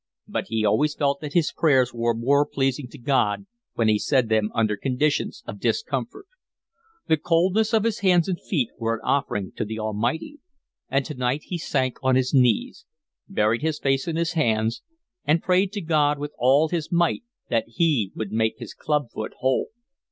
But he always felt that his prayers were more pleasing to God when he said them under conditions of discomfort. The coldness of his hands and feet were an offering to the Almighty. And tonight he sank on his knees; buried his face in his hands, and prayed to God with all his might that He would make his club foot whole.